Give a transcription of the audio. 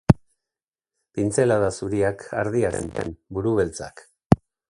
Pintzelada zuriak ardiak ziren, buru beltzak.